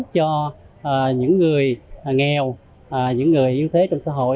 cho những người nghèo những người yếu thế trong xã hội